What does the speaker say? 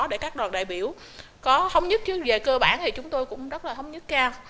để các đoàn đại biểu có thống nhất chuyên về cơ bản thì chúng tôi cũng rất là thống nhất cao